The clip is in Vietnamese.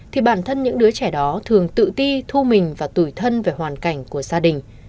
thì bản thân những đứa trẻ đó thường tự ti thu mình và tuổi thân về hoàn cảnh của gia đình